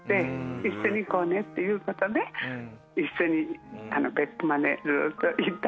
一緒に行こうね！ってことで一緒に別府まで行ったっていう。